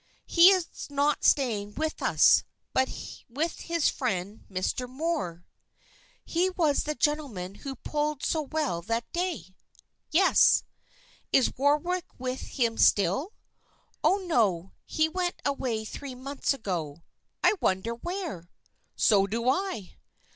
"He was not staying with us, but with his friend, Mr. Moor." "He was the gentleman who pulled so well that day?" "Yes." "Is Warwick with him still?" "Oh, no, he went away three months ago." "I wonder where!" "So do I!"